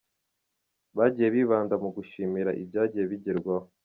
Bagiye bibanda mu gushimira ibyagiye bigerwaho.